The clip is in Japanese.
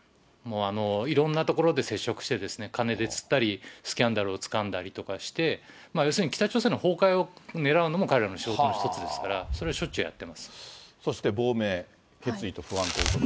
いろんなところで接触してですね、金で釣ったり、スキャンダルをつかんだりとかして、要するに、北朝鮮の崩壊をねらうのも彼らの仕事の一つですから、それはしょそして、亡命、決意と不安ということで。